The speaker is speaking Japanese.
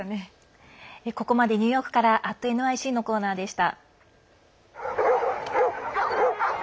ここまでニューヨークから「＠ｎｙｃ」のコーナーでした。